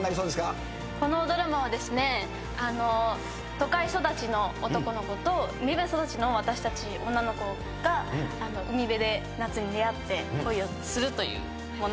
このドラマはですね都会育ちの男の子と海辺育ちの私たち女の子が海辺で夏に出会って恋をするという物語なんですけども。